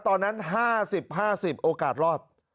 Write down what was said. ตอนนั้น๕๐๕๐โอกาสรอด